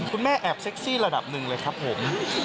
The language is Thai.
แม่แอบเซ็กซี่ระดับหนึ่งเลยครับผม